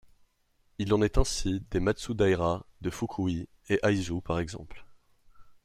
Il en est ainsi des Matsudaira de Fukui et Aizu par exemple.